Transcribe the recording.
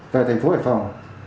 về thành phố hải phòng